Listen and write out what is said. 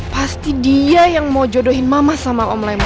pasti dia yang mau jodohin mama sama om lain